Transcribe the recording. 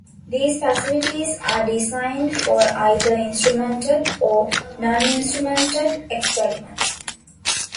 These facilities are designed for either instrumented or non-instrumented experiments.